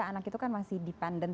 anak itu kan masih dependen